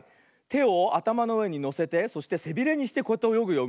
てをあたまのうえにのせてそしてせびれにしてこうやっておよぐよ。